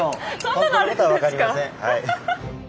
本当のことは分かりません。